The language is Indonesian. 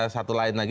satu lain lagi